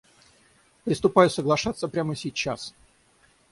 Приступаю соглашаться прямо сейчас!